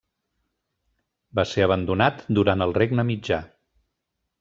Va ser abandonat durant el Regne Mitjà.